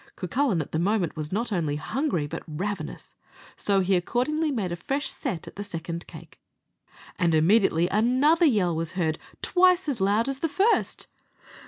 Cucullin at the moment was not only hungry, but ravenous, so he accordingly made a fresh set at the second cake, and immediately another yell was heard twice as loud as the first.